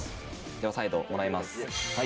ではサイドをもらいます。